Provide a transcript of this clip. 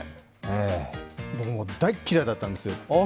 僕も大嫌いだったんですよ。